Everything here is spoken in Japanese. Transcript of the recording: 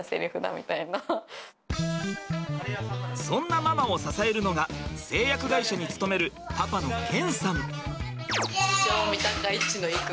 そんなママを支えるのが製薬会社に勤めるパパの謙さん。